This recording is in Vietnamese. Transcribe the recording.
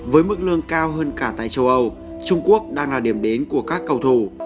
với mức lương cao hơn cả tại châu âu trung quốc đang là điểm đến của các cầu thủ